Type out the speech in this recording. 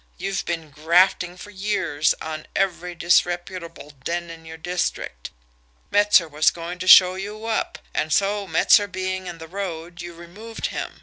You've been grafting for years on every disreputable den in your district. Metzer was going to show you up; and so, Metzer being in the road, you removed him.